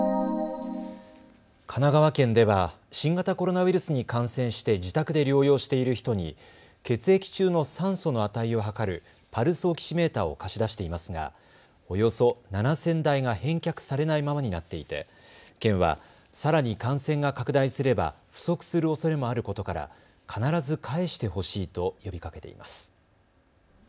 神奈川県では新型コロナウイルスに感染して自宅で療養している人に血液中の酸素の値を測るパルスオキシメーターを貸し出していますがおよそ７０００台が返却されないままになっていて県はさらに感染が拡大すれば不足するおそれもあることから必ず返してほしいと呼びかけています。